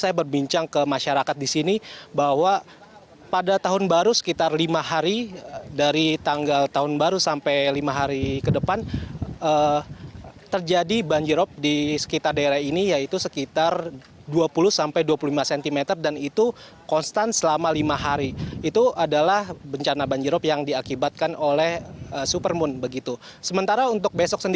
yang berpotensi bisa dilewati oleh rop